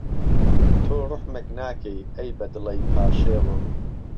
تۆ روحمێک ناکهی، ئهی به دڵهی پاشێوم